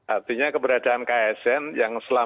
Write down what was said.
artinya kemudian kita perlu penguatan kawasan lagi